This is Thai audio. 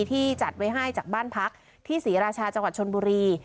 ที่จัดไว้ให้จากบ้านพักที่ศรีราชาจังหวัดชนบุรี